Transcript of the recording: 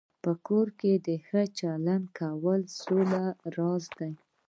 په کور کې ښه چلند کول د سولې راز دی.